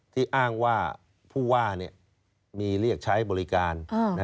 ที่อ้างว่าผู้ว่ามีเรียกใช้บริการ